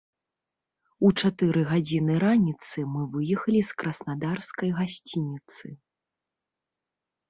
У чатыры гадзіны раніцы мы выехалі з краснадарскай гасцініцы.